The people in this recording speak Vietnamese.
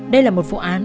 đây là một vụ án